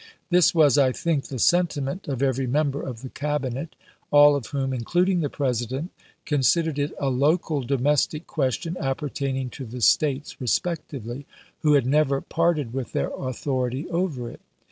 This was, I think, the sentiment of every member of the Cabinet, all of whom, including the President, considered it a local domestic question appertaining to the States respectively, who had never parted with their authority over it.